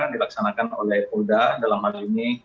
dilaksanakan oleh polda dalam hal ini